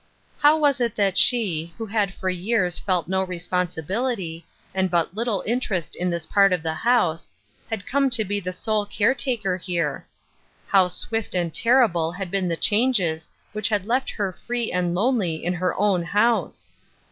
How was it that she, who had for years felt no responsibility, and but little interest in this part of the house, had come to be the sole care taker here ? How swift and terrible had been the changes which had left her free and lonely in her own house